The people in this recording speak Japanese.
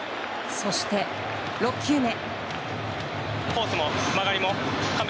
そして６球目。